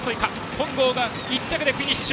本郷が１着でフィニッシュ。